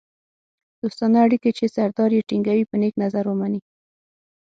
دوستانه اړیکې چې سردار یې ټینګوي په نېک نظر ومني.